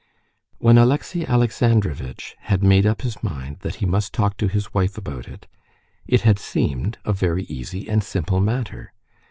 When Alexey Alexandrovitch had made up his mind that he must talk to his wife about it, it had seemed a very easy and simple matter.